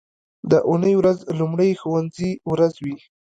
د اونۍ ورځ لومړنۍ د ښوونځي ورځ وي